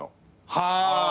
はあ。